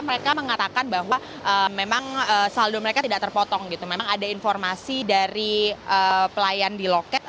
mereka mengatakan bahwa memang saldo mereka tidak terpotong gitu memang ada informasi dari pelayan di loket